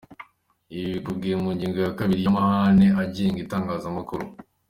Ibi bikubiye mu ngingo ya kabiri y’amahame agenga itangazamakuru.